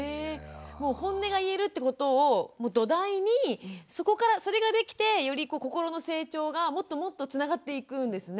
ホンネが言えるってことを土台にそれができてより心の成長がもっともっとつながっていくんですね。